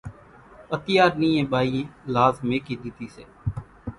اتيار نيئين ٻايئين لاز ميڪِي ۮيڌِي سي۔